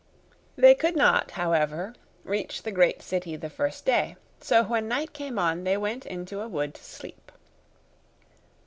They could not, however, reach the great city the first day; so when night came on, they went into a wood to sleep.